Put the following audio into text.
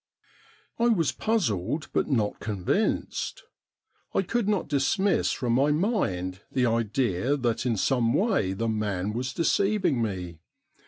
I was puzzled, but not convinced. I could not dismiss from my mind the idea that in some way the man was deceiv ing me.